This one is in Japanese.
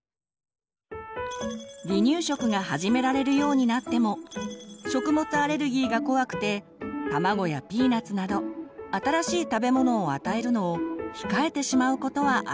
離乳食が始められるようになっても食物アレルギーが怖くて卵やピーナツなど新しい食べ物を与えるのを控えてしまうことはありませんか？